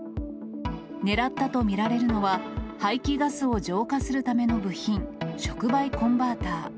狙ったと見られるのは、排気ガスを浄化するための部品、触媒コンバーター。